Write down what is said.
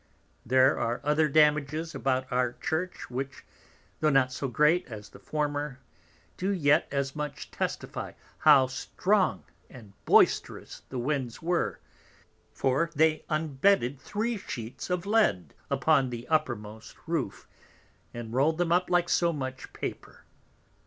There are other damages about our Church, which, tho' not so great as the former, do yet as much testify how strong and boisterous the Winds were, for they unbedded 3 Sheets of Lead upon the uppermost Roof, and roll'd them up like so much Paper.